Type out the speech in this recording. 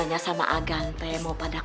awalnya baru kayak gampang ke potongan dusit